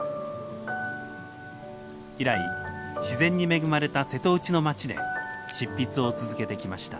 以来自然に恵まれた瀬戸内の町で執筆を続けてきました。